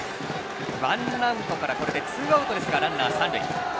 ワンアウトからこれでツーアウトですがランナー、三塁。